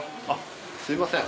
すみません。